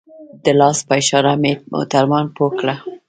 د لاس په اشاره مې موټروان پوه کړ.